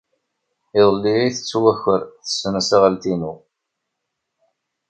Iḍelli ay tettwaker tesnasɣalt-inu.